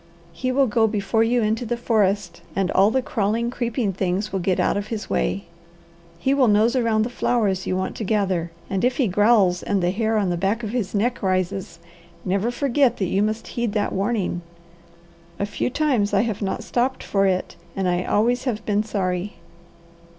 He will go before you into the forest and all the crawling, creeping things will get out of his way. He will nose around the flowers you want to gather, and if he growls and the hair on the back of his neck rises, never forget that you must heed that warning. A few times I have not stopped for it, and I always have been sorry.